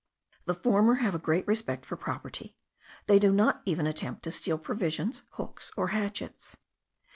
The former have a great respect for property; they do not even attempt to steal provision, hooks, or hatchets.